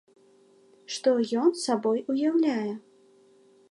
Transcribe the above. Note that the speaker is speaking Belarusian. Што ён сабой уяўляе?